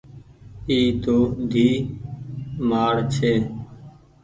اي تو ڌيئي مآڙ ڇي۔